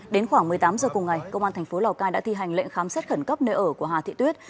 đến khoảng một mươi tám h cùng ngày công an thành phố lào cai đã thi hành lệnh khám xét khẩn cấp nơi ở của hà thị tuyết